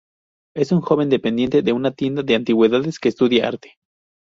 Es un joven dependiente de una tienda de antigüedades que estudia arte.